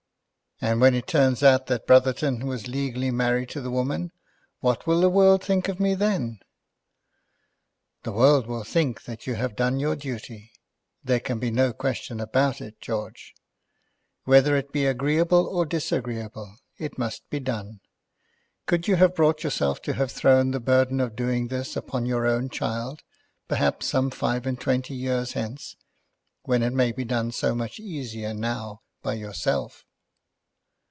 "And when it turns out that Brotherton was legally married to the woman, what will the world think of me then?" "The world will think that you have done your duty. There can be no question about it, George. Whether it be agreeable or disagreeable, it must be done. Could you have brought yourself to have thrown the burden of doing this upon your own child, perhaps some five and twenty years hence, when it may be done so much easier now by yourself."